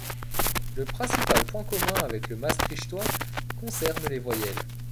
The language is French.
Le principal point commun avec le maastrichtois concerne les voyelle.